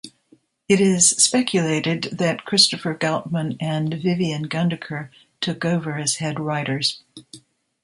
It is speculated that Christopher Goutman and Vivian Gundaker took over as Head Writers.